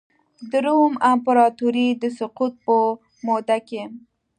د روم امپراتورۍ د سقوط په موده کې.